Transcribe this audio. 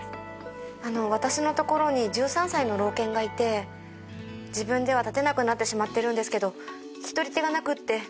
あの私の所に１３歳の老犬がいて自分では立てなくなってしまってるんですけど引き取り手がなくって。